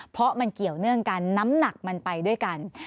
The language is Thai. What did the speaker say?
เพราะมันเกี่ยวเนื่องกันน้ำหนักมันไปด้วยกัน